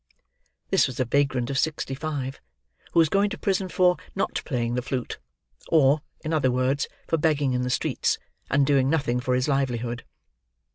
This was a vagrant of sixty five, who was going to prison for not playing the flute; or, in other words, for begging in the streets, and doing nothing for his livelihood.